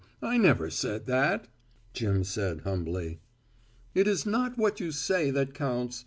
I never said that," Jim said humbly. "It is not what you say that counts.